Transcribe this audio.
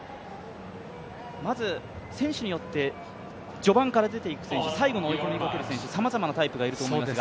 まず選手によって、序盤から出ていく選手、最後の追い込みにかける選手、さまざまなタイプがいると思いますが。